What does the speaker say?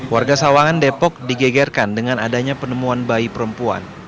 warga sawangan depok digegerkan dengan adanya penemuan bayi perempuan